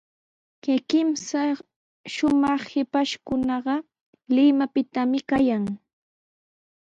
Kay kimsa shumaq shipashkunaqa Limapitami kayan.